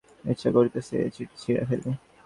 ইচ্ছা করিতেছে, এ চিঠি ছিঁড়িয়া ফেলি।